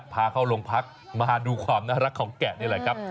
พาเข้าโรงพักมาดูความน่ารักของแกะนี่แหละครับ